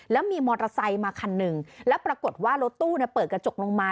แล้วมีมอเตอร์ไซค์มาคันหนึ่งแล้วปรากฏว่ารถตู้เปิดกระจกลงมา